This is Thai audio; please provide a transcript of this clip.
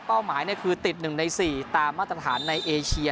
เป้าหมายเนี่ยคือติดหนึ่งในสี่ตามมาตรฐานในเอเชีย